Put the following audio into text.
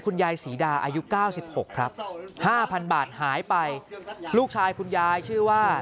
คุณยายศรีดาอายุ๙๖ครับห้าพันบาทหายไปลูกชายคุณยายชื่อว่า